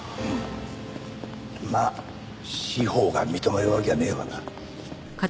まあ司法が認めるわけはねえわな。